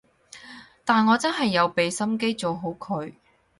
但我真係有畀心機做好佢